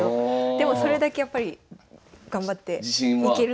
でもそれだけやっぱり頑張っていけると。